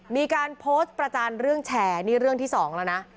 มีการโพสต์ประจานเรื่องแชร์นี่เรื่องที่๒แล้วนะ